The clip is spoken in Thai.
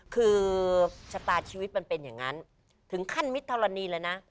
คือชะตาชีวิตมันเป็นอย่างนั้นถึงขั้นมิตรธรณีเลยนะ